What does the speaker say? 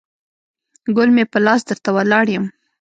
ګل مې په لاس درته ولاړ یم